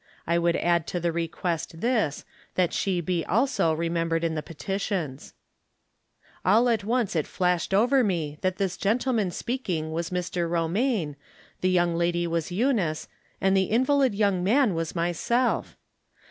I would add to the request this, that she be also remembered in the petitions." All at once it flashed over me that the gentleman speaking was Mr. Romaine, the young lady was Eunice, and the invalid young 'From Different Standpoints. . 75 man was myself